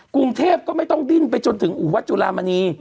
กรุงเทพก็ไม่ต้องดิ้นไปจนถึงอู่วัดจุลามณี